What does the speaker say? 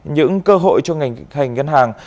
những cơ hội cho ngành ngân hàng